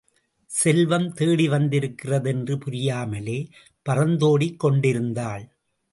செல்வம் தேடிவந்திருக்கிறது என்று புரியாமலே பறந்தோடிக் கொண்டிருந்தாள்.